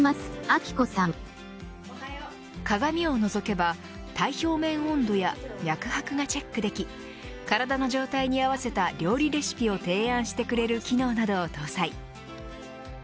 鏡をのぞけば体表面温度や脈拍がチェックでき体の状態に合わせた料理レシピを提案してくれる機能などを搭載。